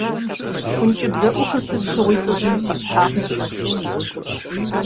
ӀункӀыбзэӀухыр сыт щыгъуи лӏыжьым и пӀэщхьагъым щӀэлът.